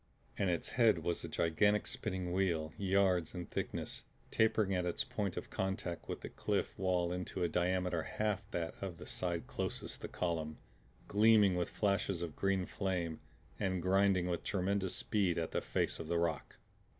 And its head was a gigantic spinning wheel, yards in thickness, tapering at its point of contact with the cliff wall into a diameter half that of the side closest the column, gleaming with flashes of green flame and grinding with tremendous speed at the face of the rock.